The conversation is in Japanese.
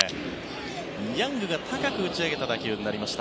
ヤングが高く打ち上げた打球になりました。